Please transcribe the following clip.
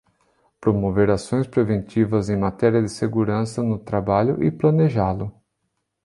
Promover ações preventivas em matéria de segurança no trabalho e planejá-lo.